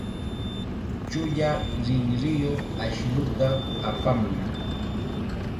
Chulla rinriyuq ashnuta apamuy.